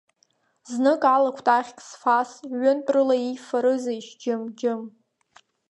Знык ала кәтаӷьк зфаз, ҩынтә рыла иифарызеишь, џьым, џьым?!